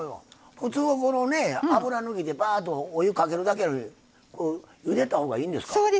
普通は油抜きでばーっとお湯をかけるだけなのにゆでたほうがいいんですか？